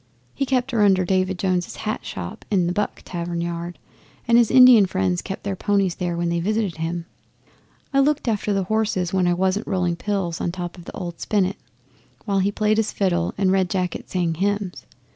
He kept her under David Jones's hat shop in the "Buck" tavern yard, and his Indian friends kept their ponies there when they visited him. I looked after the horses when I wasn't rolling pills on top of the old spinet, while he played his fiddle and Red Jacket sang hymns.